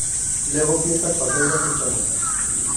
Lego piezak falta dira kutxa honetan.